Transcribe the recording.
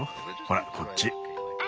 ほらこっち。